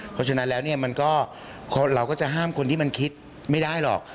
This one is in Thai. เพราะฉะนั้นแล้วเนี่ยมันก็เราก็จะห้ามคนที่มันคิดไม่ได้หรอก